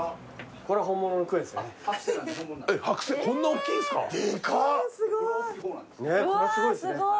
これはすごいですね。